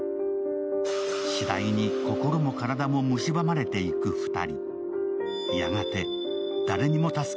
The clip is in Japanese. しだいに心も体もむしばまれていく２人。